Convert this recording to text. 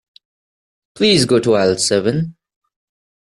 Please go to aisle seven.